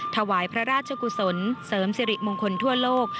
ถวายพระราชกุศลเสริมสิริมงคลทั่วโลก